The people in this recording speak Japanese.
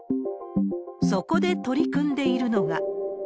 そこで取り組んでいるのが。